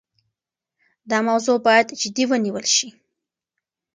دا موضوع باید جدي ونیول شي.